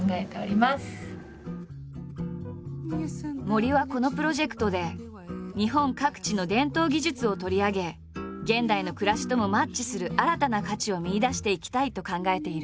森はこのプロジェクトで日本各地の伝統技術を取り上げ現代の暮らしともマッチする新たな価値を見いだしていきたいと考えている。